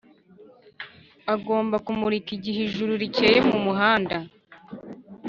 Agomba kumurika igihe ijuru rikeye mu muhanda